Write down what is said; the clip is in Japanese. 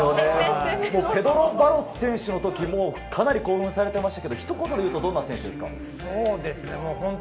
ペドロ・バロス選手の時もかなり興奮されていましたが、ひと言で言うと、どんな選手ですか？